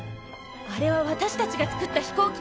あれはわたしたちが作った飛行機です。